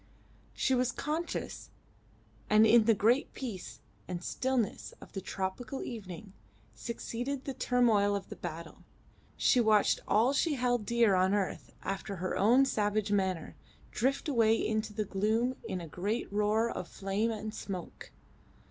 She was conscious, and in the great peace and stillness of the tropical evening succeeding the turmoil of the battle, she watched all she held dear on earth after her own savage manner, drift away into the gloom in a great roar of flame and smoke.